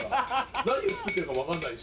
何を作ってるか分かんないし。